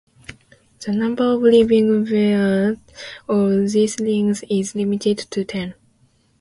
The number of living bearers of these rings is limited to ten.